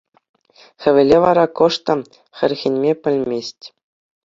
Хӗвелӗ вара кӑшт та хӗрхенме пӗлмест.